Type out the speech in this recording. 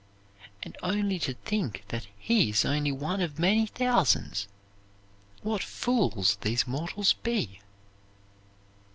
And only to think that he is only one of many thousands! "What fools these mortals be!"